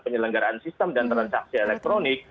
penyelenggaraan sistem dan transaksi elektronik